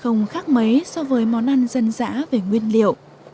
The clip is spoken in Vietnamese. không khác mấy so với món ăn dân dã về nguyên liệu